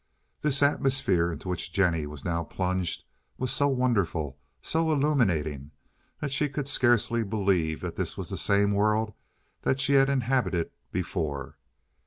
This atmosphere into which Jennie was now plunged was so wonderful, so illuminating, that she could scarcely believe this was the same world that she had inhabited before.